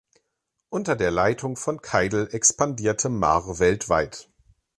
Unter der Leitung von Keidel expandierte Mahr weltweit.